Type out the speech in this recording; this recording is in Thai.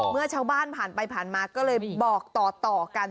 เมื่อชาวบ้านผ่านไปผ่านมาก็เลยบอกต่อกัน